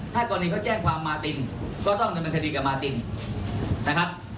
ถ้ากรณีเขาแจ้งความมาตินก็ต้องดำเนินคดีกับมาตินนะครับ